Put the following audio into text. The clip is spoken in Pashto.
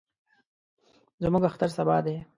زموږ اختر سبا دئ.